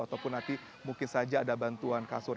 ataupun nanti mungkin saja ada bantuan kasur